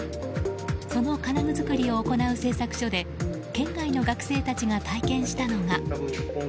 その金具作りを行う製作所で県外の学生たちが体験したのは。